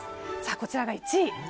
こちらが１位。